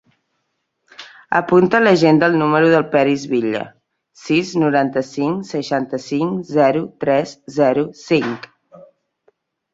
Apunta a l'agenda el número del Peris Villa: sis, noranta-cinc, seixanta-cinc, zero, tres, zero, cinc.